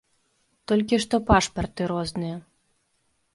Толькі што пашпарты розныя.